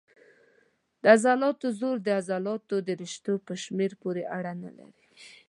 د عضلاتو زور د عضلاتو د رشتو په شمېر پورې اړه نه لري.